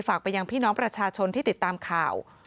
ฝากไปยังพี่น้องประชาชนที่ติดตามข่าว